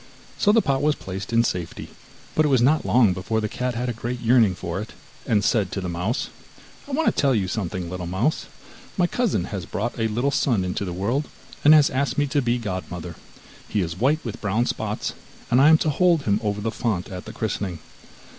So the pot was placed in safety, but it was not long before the cat had a great yearning for it, and said to the mouse: 'I want to tell you something, little mouse; my cousin has brought a little son into the world, and has asked me to be godmother; he is white with brown spots, and I am to hold him over the font at the christening.